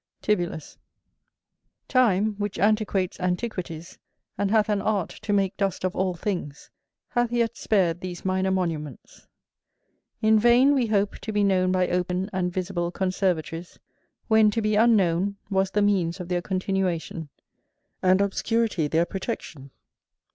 _[BP] [BP] Tibullus, lib. iii. el. 2, 26. Time, which antiquates antiquities, and hath an art to make dust of all things, hath yet spared these minor monuments. In vain we hope to be known by open and visible conservatories, when to be unknown was the means of their continuation, and obscurity their protection.